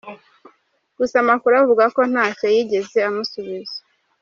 Gusa amakuru avuga ko ntacyo yigeze amusubiza.